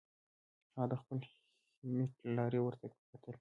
هغه د خپل هیلمټ له لارې ورته وکتل